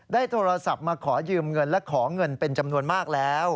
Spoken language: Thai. ได้โทรศัพท์มาขอยืมเงินและขอเงินเป็นจำนวนมากแล้ว